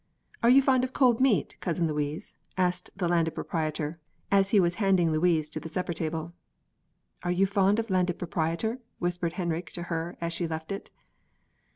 "Are you fond of cold meat, Cousin Louise?" asked the Landed Proprietor, as he was handing Louise to the supper table. "Are you fond of Landed Proprietor?" whispered Henrik to her as she left it.